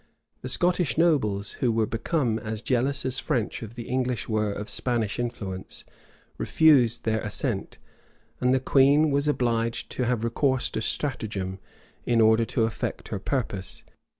The Scottish nobles, who were become as jealous of French as the English were of Spanish influence, refused their assent; and the queen was obliged to have recourse to stratagem in order to effect her purpose.